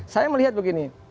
saya melihat begini